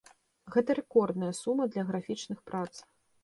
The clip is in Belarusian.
Гэта рэкордная сума для графічных прац.